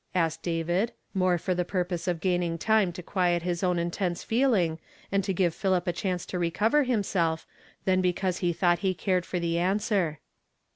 asked David, n;«> • fci :he jMirpose of gainin^r time; lo (piict his nv, n intense feelino;, and to give Philip a chiince tn reco\ . r himself, thau because he thought he carci; for the answer.